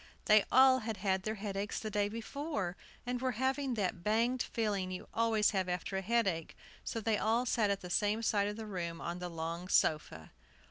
They all had had their headaches the day before, and were having that banged feeling you always have after a headache; so they all sat at the same side of the room on the long sofa.